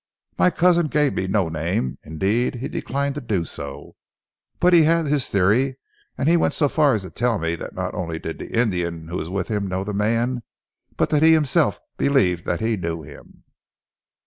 "My cousin gave me no name, indeed he declined to do so. But he had his theory, and he went so far as to tell me that not only did the Indian who was with him know the man, but that he himself believed that he knew him."